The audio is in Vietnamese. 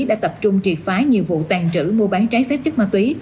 đã tập trung triệt phá nhiều vụ tàn trữ mua bán trái phép chất ma túy